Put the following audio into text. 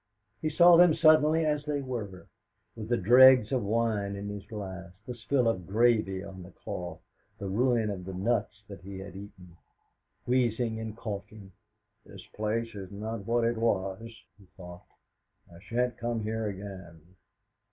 He saw them suddenly as they were, with the dregs of wine in his glass, the spill of gravy on the cloth, the ruin of the nuts that he had eaten. Wheezing and coughing, '.his place is not what it was,' he thought; 'I shan't come here again!'